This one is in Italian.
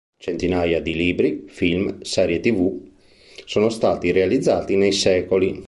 Centinaia di libri, film, serie tv sono stati realizzati nei secoli.